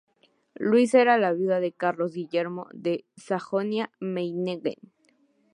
Luisa era la viuda de Carlos Guillermo de Sajonia-Meiningen.